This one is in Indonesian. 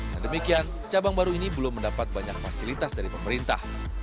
dan demikian cabang baru ini belum mendapat banyak fasilitas dari pemerintah